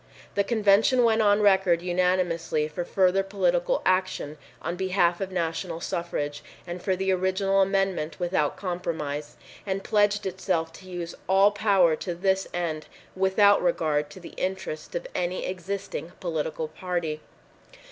The convention went on record unanimously for further political action on behalf of national suffrage and for the original amendment without compromise, and pledged itself to use all power to this end without regard to the interests of any existing political party.